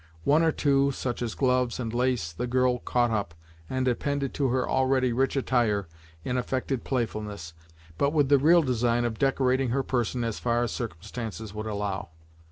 One or two, such as gloves, and lace, the girl caught up, and appended to her already rich attire in affected playfulness, but with the real design of decorating her person as far as circumstances would allow.